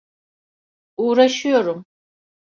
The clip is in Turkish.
Uğraşıyorum.